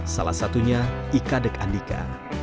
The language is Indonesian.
salah satunya ika dek andika